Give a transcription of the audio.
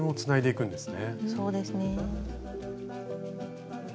そうですね。